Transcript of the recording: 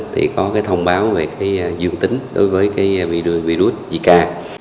thì có thông báo về dương tính đối với virus zika